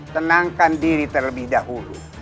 tenangkan diri terlebih dahulu